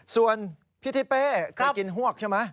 ส่วนพี่ทิเฺศได้กินฮวกใช่ไหม